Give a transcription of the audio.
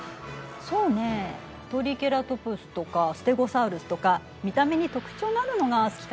そうねえトリケラトプスとかステゴサウルスとか見た目に特徴があるのが好きかなあ。